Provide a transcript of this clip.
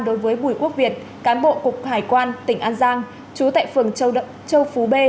đối với bùi quốc việt cán bộ cục hải quan tỉnh an giang chú tại phường châu phú b